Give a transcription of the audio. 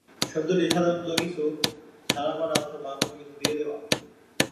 শব্দটি সাধারণত কিছু ছাড়া করা অথবা কোন কিছু দিয়ে দেওয়া।